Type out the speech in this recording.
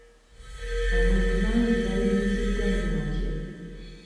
Abantu bangi baayingiziddwa mu magye.